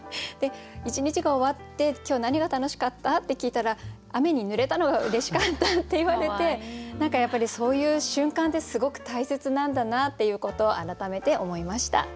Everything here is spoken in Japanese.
一日が終わって「今日何が楽しかった？」って聞いたら「雨にぬれたのがうれしかった」って言われて何かやっぱりそういう瞬間ってすごく大切なんだなっていうことを改めて思いました。